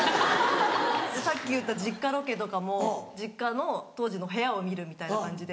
さっき言った実家ロケとかも実家の当時の部屋を見るみたいな感じで。